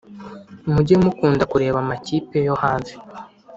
Mujye mukunda kureba amakipe yo hanze